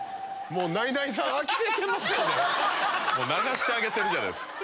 流してあげてるじゃないですか。